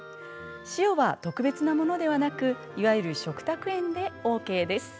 塩は特別なものではなくいわゆる食卓塩でＯＫです。